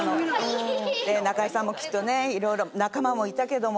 中居さんもきっとね色々仲間もいたけれども。